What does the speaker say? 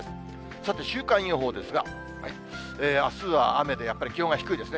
さて週間予報ですが、あすは雨で、やっぱり気温が低いですね。